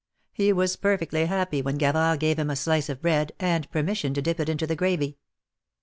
He was perfectly happy when Gavard gave him a slice of bread, and permission to dip it into the gravy.